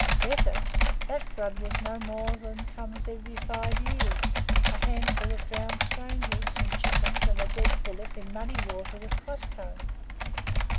"Better! That flood was no more than comes every five years a handful of drowned strangers, some chickens, and a dead bullock in muddy water with cross currents.